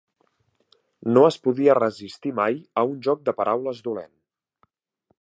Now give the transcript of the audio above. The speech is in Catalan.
No es podia resistir mai a un joc de paraules dolent.